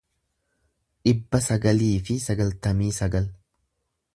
dhibba sagalii fi sagaltamii sagal